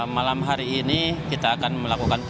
malam hari ini kita akan melakukan